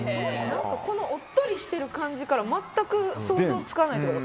このおっとりしてる感じから全く想像つかないというか。